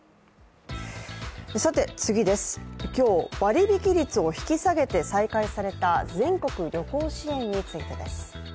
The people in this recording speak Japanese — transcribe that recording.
今日、割引率を引き下げて再開された全国旅行支援についてです。